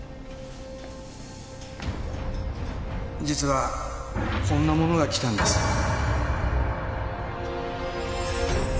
実はこんなものが来たんです。